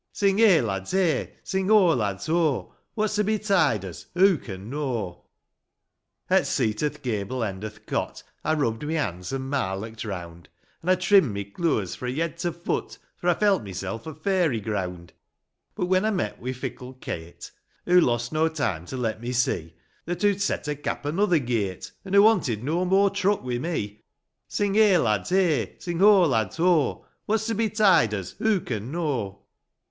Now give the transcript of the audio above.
Sing heigh, lads, heigh ; sing ho, lads, ho ; What's to betide us who can know ? III. At sect o'th gable end o'th cot I rubbed my bonds and raarlocked round ; An' I trimmed my clooas fro' yed to foot, For I felt mysel' o' fairy ground : But when I met wi' fickle Kate, Hoo lost no time to let me see That hoo'd set her cap another gate, An' hoo wanted no more truck wi' me. Sing heigh, lads, heigh; sing ho, lads, ho; What's to betide us who can know?